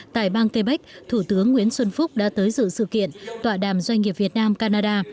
tại bang quebec thủ tướng nguyễn xuân phúc đã tới dự sự kiện tọa đàm doanh nghiệp việt nam canada